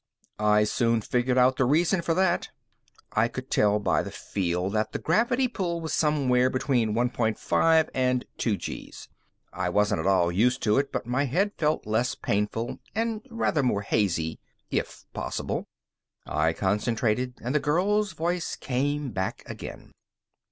I soon figured out the reason for that; I could tell by the feel that the gravity pull was somewhere between one point five and two gees. I wasn't at all used to it, but my head felt less painful and rather more hazy. If possible. I concentrated, and the girl's voice came back again.